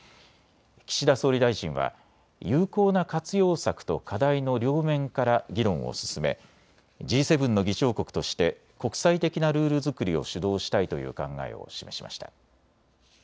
岸田総理大臣は有効な活用策と課題の両面から議論を進めＧ７の議長国として国際的なルール作りを主導したいという考えを示しました。